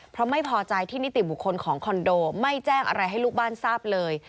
เพราะไม่พอใจที่นิติบุคคลของคอนโดไม่แจ้งอะไรให้ลูกบ้านทราบเลย